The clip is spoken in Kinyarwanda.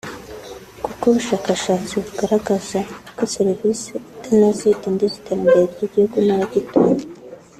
kuko ubushakashatsi bugaragaza ko serivisi itanoze idindiza iterambere ry’igihugu n’abagituye